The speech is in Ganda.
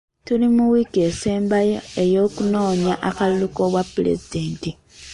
Tuli mu wiiki esembayo ey'okunoonya akalulu k'obwa pulezidenti.